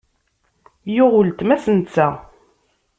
Yuɣ uletma-s netta.